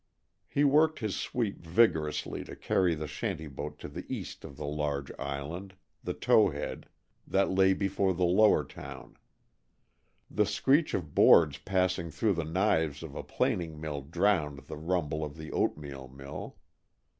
He worked his sweep vigorously to carry the shanty boat to the east of the large island the Tow head that lay before the lower town. The screech of boards passing through the knives of a planing mill drowned the rumble of the oatmeal mill.